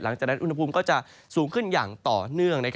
หลังจากนั้นอุณหภูมิก็จะสูงขึ้นอย่างต่อเนื่อง